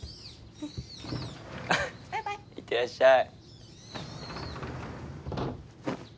バイバイいってらっしゃい・・・・